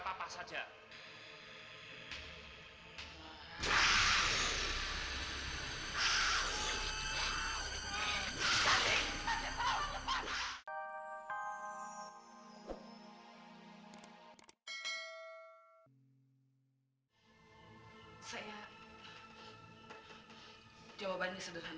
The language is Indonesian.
masih banyak yang ingin saya tanyakan